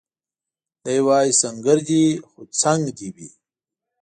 دی وايي سنګر دي وي خو څنګ دي وي